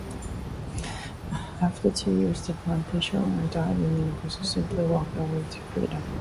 After two years, the plantation owner died and Narcisse simply walked away to freedom.